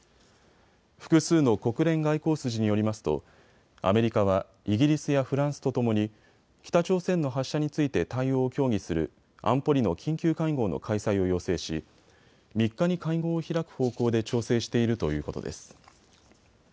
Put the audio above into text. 複数の国連外交筋によりますとアメリカはイギリスやフランスとともに北朝鮮の発射について対応を協議する安保理の緊急会合の開催を要請し３日に会合を開く方向で調整しているということです。